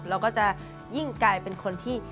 เราก็จะยิ่งกลายเป็นคนที่